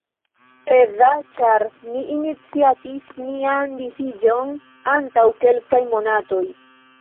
Peza, ĉar mi iniciatis nian disiĝon antaŭ kelkaj monatoj.